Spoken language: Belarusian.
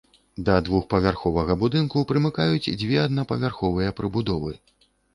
Да двухпавярховага будынку прымыкаюць дзве аднапавярховыя прыбудовы.